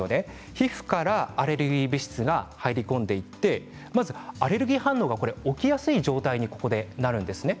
皮膚からアレルギー物質が入り込んでいってアレルギー反応が起きやすい状態に、ここでなるんです。